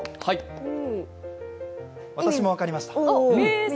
私、分かりました。